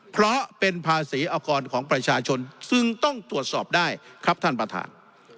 เพราะเป็นภาษีอากรของประชาชนซึ่งต้องตรวจสอบได้ครับท่านประธาน